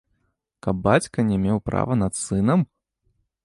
Каб бацька не меў права над сынам?!